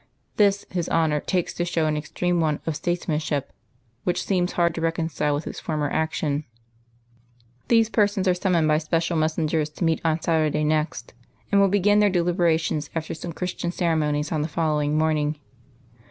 This His Honour takes to show an extreme want of statesmanship which seems hard to reconcile with his former action. These persons are summoned by special messengers to meet on Saturday next, and will begin their deliberations after some Christian ceremonies on the following morning.